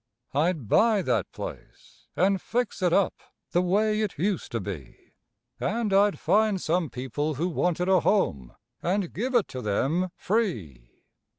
I'd buy that place and fix it up the way it used to be And I'd find some people who wanted a home and give it to them free.